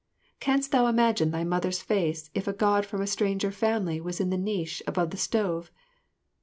Canst thou imagine thy Mother's face if a God from a stranger family was in the niche above the stove?